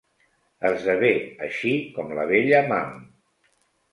Esdevé així com la vella Mam.